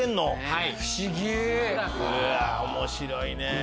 面白いね！